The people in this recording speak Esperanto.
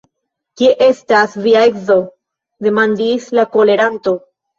Kie estas via edzo!? demandis la koleranto.